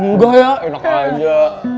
enggak ya enak aja